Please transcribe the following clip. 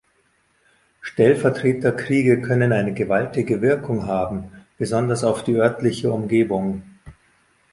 Stellvertreterkriege können eine gewaltige Wirkung haben, besonders auf die örtliche Umgebung.